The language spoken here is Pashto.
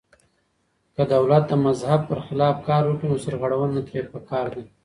که دولت د مذهب پر خلاف کار وکړي نو سرغړونه ترې پکار ده.